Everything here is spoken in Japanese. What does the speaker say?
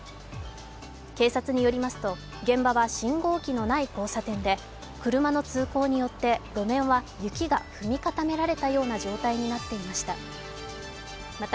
警察によりますと、現場は信号機のない交差点で車の通行によって路面は雪が踏み固められたような状態になっていました。